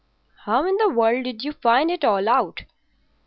"How in the world did you find it all out?"